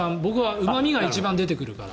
うま味が一番出てくるから。